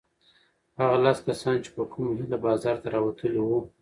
هغه لس کسان چې په کومه هیله بازار ته راوتلي وو؟